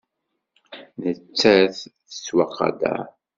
Nettat tettwaqadar.